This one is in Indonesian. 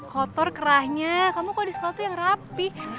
kotor kerahnya kamu kalau di sekolah tuh yang rapi